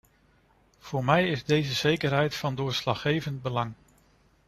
Voor mij is deze zekerheid van doorslaggevend belang.